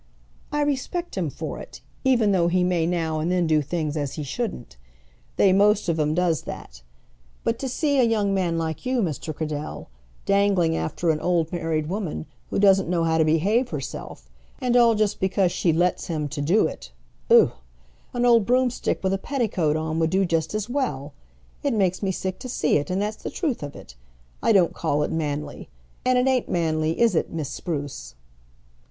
"I respect him for it, even though he may now and then do things as he shouldn't. They most of 'em does that. But to see a young man like you, Mr. Cradell, dangling after an old married woman, who doesn't know how to behave herself; and all just because she lets him to do it; ugh! an old broomstick with a petticoat on would do just as well! It makes me sick to see it, and that's the truth of it. I don't call it manly; and it ain't manly, is it, Miss Spruce?"